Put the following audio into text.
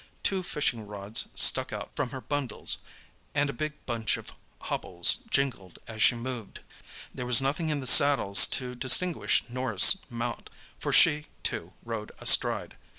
Two fishing rods stuck out from her bundles, and a big bunch of hobbles jingled as she moved. There was nothing in the saddles to distinguish Norah's mount, for she, too, rode astride. Mr.